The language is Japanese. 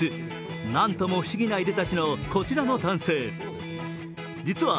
何とも不思議ないでたちのこちらの男性。